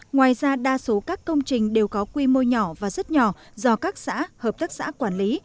ngoài ra đa số các công trình đều có quy mô nhỏ và rất nhỏ do các xã hợp tác xã quản lý